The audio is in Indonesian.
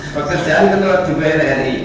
parkasedian jubeer chairi